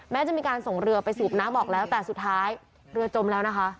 แม้จะมีการส่งเรือไปสูบน้ำออกแล้วแต่สุดท้ายเรือจมแล้วนะคะ